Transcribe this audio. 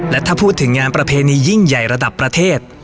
และถ้าพูดถึงงานประเพณียิ่งใหญ่ระดับประเทศ